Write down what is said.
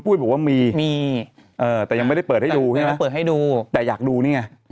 ปุ๊ยบอกว่ามีมีแต่ยังไม่ได้เปิดให้ดูให้ดูแต่อยากดูเนี่ย